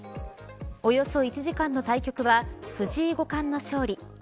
およそ１時間の対局は藤井五冠の勝利。